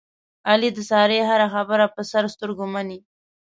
علي د سارې هره خبره په سر سترګو مني.